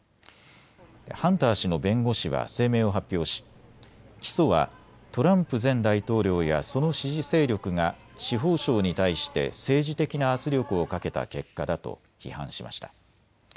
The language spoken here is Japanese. ハンター氏の弁護士は声明を発表し起訴はトランプ前大統領やその支持勢力が司法省に対して政治的な圧力をかけた結果だと批判しました。